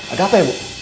ada apa ya bu